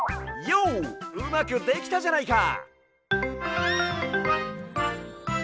ヨうまくできたじゃないか！